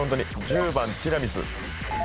１０番ティラミス。